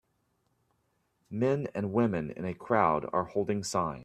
Men and women in a crowd are holding signs.